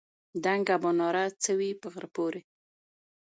دنګه مناره څه وي په غره پورې.